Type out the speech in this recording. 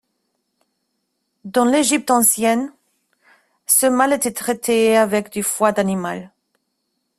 Dans l'Égypte ancienne, ce mal était traité avec du foie d'animal.